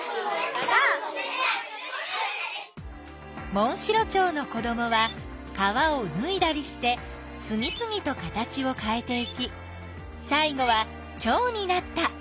モンシロチョウの子どもはかわをぬいだりしてつぎつぎと形をかえていきさい後はチョウになった。